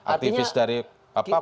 artifis dari apa